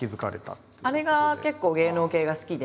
姉が結構芸能系が好きで。